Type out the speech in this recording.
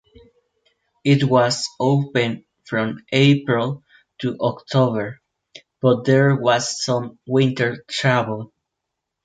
It was open from April to October but there was some winter travel.